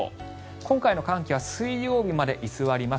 今回の寒気は水曜日まで居座ります。